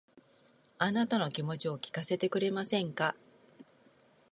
あなたの気持ちを聞かせてくれませんか